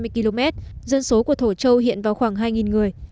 hai trăm hai mươi km dân số của thổ châu hiện vào khoảng hai người